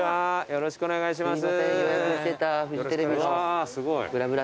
よろしくお願いします。